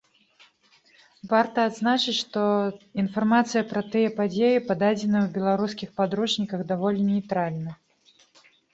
Варта адзначыць, што інфармацыя пра тыя падзеі пададзеная ў беларускіх падручніках даволі нейтральна.